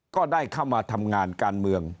ก็ได้เข้ามาทำงานการเมือง